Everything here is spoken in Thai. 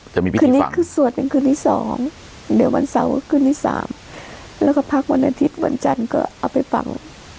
พิธีคืนนี้คือสวดเป็นคืนที่๒เดี๋ยววันเสาร์คืนที่สามแล้วก็พักวันอาทิตย์วันจันทร์ก็เอาไปฟัง